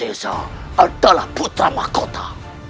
surawi seja adalah putra makota